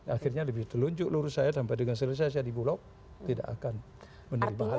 akhirnya lebih telunjuk lurus saya sampai dengan selesai saya di bulog tidak akan menerima hal itu